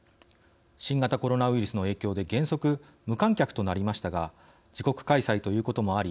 新型コロナウイルスの影響で原則、無観客となりましたが自国開催ということもあり